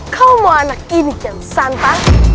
kau mau anak ini kian santra